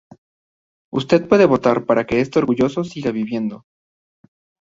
Usted puede votar para que este orgullo siga viviendo.